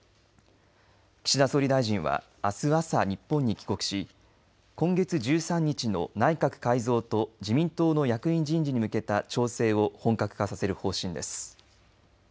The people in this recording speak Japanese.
岸田総理大臣はあす朝日本に帰国し今月１３日の内閣改造と自民党の役員人事に向けた調整を本格化させる方針です。